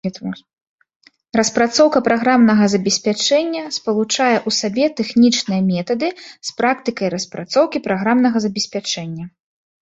Распрацоўка праграмнага забеспячэння спалучае ў сабе тэхнічныя метады з практыкай распрацоўкі праграмнага забеспячэння.